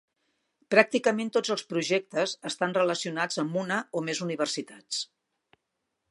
Pràcticament tots els projectes estan relacionats amb una o més universitats.